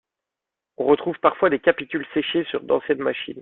On retrouve parfois des capitules séchés sur d'anciennes machines.